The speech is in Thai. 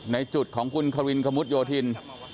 ในจุดของคุณควินควินโยธิน